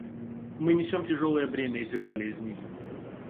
Мы несем тяжелое бремя этих болезней.